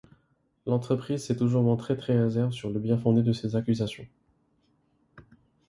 L'entreprise s'est toujours montrée très reserve sur le bien-fondé de ses accusations.